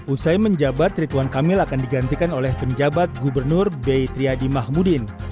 usai menjabat rituan kamil akan digantikan oleh penjabat gubernur b triadi mahmudin